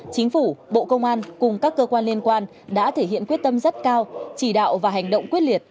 chính phủ bộ công an cùng các cơ quan liên quan đã thể hiện quyết tâm rất cao chỉ đạo và hành động quyết liệt